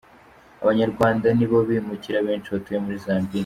Abanyarwanda nibo bimukira benshi batuye muri Zambia.